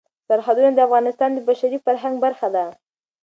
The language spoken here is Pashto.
سرحدونه د افغانستان د بشري فرهنګ برخه ده.